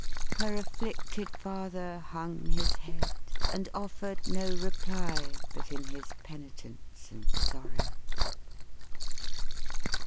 Her afflicted father hung his head, and offered no reply but in his penitence and sorrow.